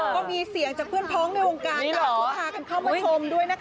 ก็มีเสียงจากเพื่อนพ้องในวงการค่ะเขาพากันเข้ามาชมด้วยนะคะ